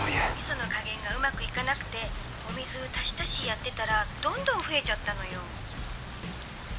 ☎味噌の加減がうまくいかなくてお水足し足しやってたらどんどん増えちゃったのよ。